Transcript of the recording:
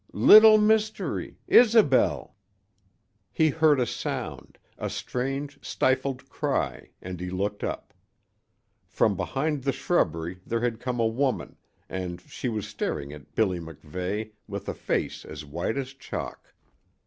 "Little Mystery Isobel " He heard a sound, a strange, stifled cry, and he looked up. From behind the shrubbery there had come a woman, and she was staring at Billy MacVeigh with a face as white as chalk.